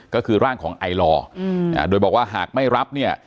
ก็คือร่างของไอลอร์โดยบอกว่าหากไม่รับเนี่ย